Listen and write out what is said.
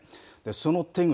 その手口、